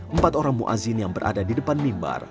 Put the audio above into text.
empat orang mu azzin yang berada di depan mimbar